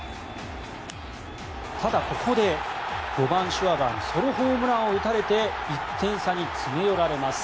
ただ、ここで５番、シュワバーにソロホームランを打たれて１点差に詰め寄られます。